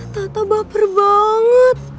tata baper banget